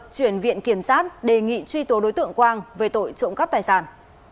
chuyển viện kiểm sát đề nghị truy tố đối tượng quang về tội trộm cắp tài sản